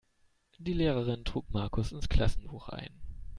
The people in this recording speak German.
Die Lehrerin trug Markus ins Klassenbuch ein.